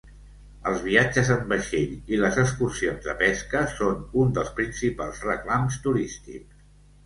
Els viatges en vaixell i les excursions de pesca són un dels principals reclams turístics.